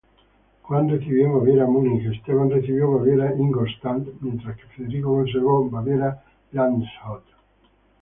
Juan recibió Baviera-Múnich, Esteban recibió Baviera-Ingolstadt, mientras que Federico conservó Baviera-Landshut.